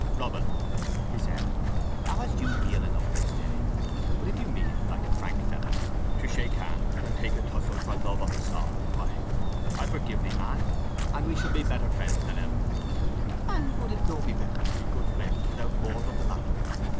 "Robin," he said, "thou hast used me ill enough this day; but if you mean, like a frank fellow, to shake hands, and take a tussle for love on the sod, why, I'll forgive thee, man, and we shall be better friends than ever." "And would it no pe petter to pe cood friends without more of the matter?"